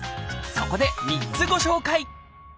そこで３つご紹介！